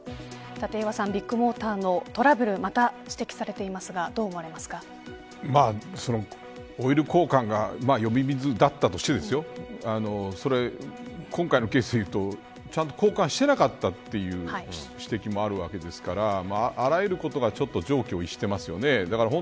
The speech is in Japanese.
立岩さんビッグモーターのトラブルまた指摘されていますがオイル交換が呼び水だったとして今回のケースで言うとちゃんと交換していなかったという指摘もあるわけですからあらゆることが常軌を逸してますよね。